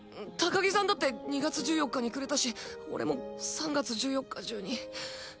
高木さんだって２月１４日にくれたし俺も３月１４日中に。